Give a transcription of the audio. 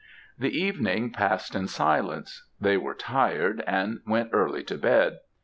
"The evening passed in silence; they were tired, and went early to bed.